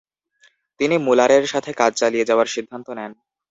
তিনি মুলারের সাথে কাজ চালিয়ে যাওয়ার সিদ্ধান্ত নেন।